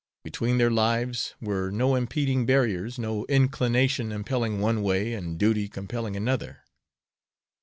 Between their lives were no impeding barriers, no inclination impelling one way and duty compelling another.